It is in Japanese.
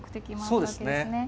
そうですね。